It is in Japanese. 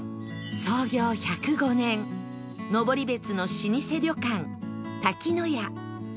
創業１０５年登別の老舗旅館滝乃家